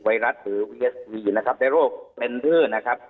ไวรัสหรือเวสซ์วีนะครับในโรคความเขมานะครับ